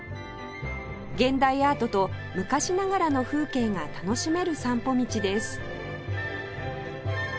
現代アートと昔ながらの風景が楽しめる散歩道です